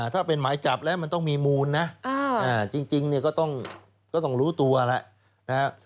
ถ้าเป็นหมายจับแล้วมันต้องมีมูลนะจริงเนี่ยก็ต้องรู้ตัวแล้วนะครับ